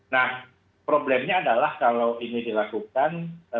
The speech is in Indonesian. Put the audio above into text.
nah problemnya adalah kalau ini dilakukan